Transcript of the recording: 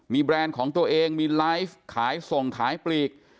มีแบรนด์ของตัวเองมีไลฟ์ขายส่งขายปลีก